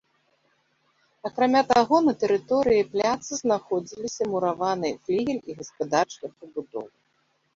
Акрамя таго, на тэрыторыі пляца знаходзіліся мураваны флігель і гаспадарчыя пабудовы.